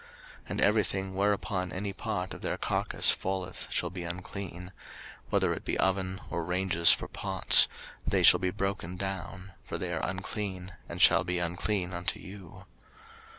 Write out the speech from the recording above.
03:011:035 And every thing whereupon any part of their carcase falleth shall be unclean; whether it be oven, or ranges for pots, they shall be broken down: for they are unclean and shall be unclean unto you.